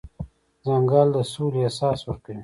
ځنګل د سولې احساس ورکوي.